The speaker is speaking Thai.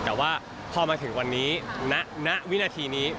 แต่ว่าพอมาถึงวันนี้ณวินาทีนี้